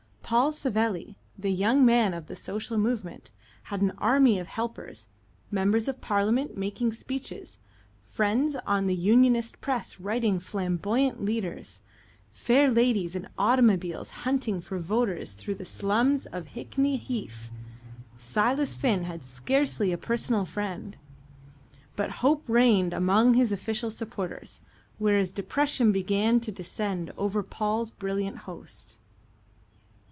Paul Savelli, the young man of the social moment, had an army of helpers, members of Parliament making speeches, friends on the Unionist press writing flamboyant leaders, fair ladies in automobiles hunting for voters through the slums of Hickney Heath. Silas Finn had scarcely a personal friend. But hope reigned among his official supporters, whereas depression began to descend over Paul's brilliant host.